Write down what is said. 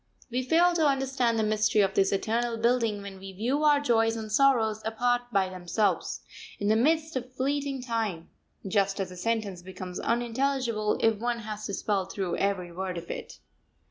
We fail to understand the mystery of this eternal building when we view our joys and sorrows apart by themselves, in the midst of fleeting time; just as a sentence becomes unintelligible if one has to spell through every word of it.